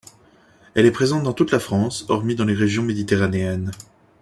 Elle est présente dans toute la France hormis dans les régions méditerranéennes.